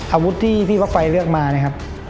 อาวุธที่พี่ป๊อกไฟเลือกมานะครับ